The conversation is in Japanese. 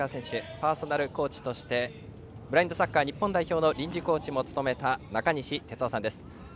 パーソナルコーチとしてブラインドサッカー日本代表の臨時コーチも務めた中西哲生さんです。